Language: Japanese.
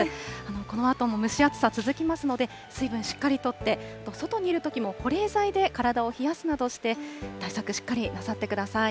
このあとも蒸し暑さ続きますので、水分しっかりとって、外にいるときも保冷剤で体を冷やすなどして、対策しっかりなさってください。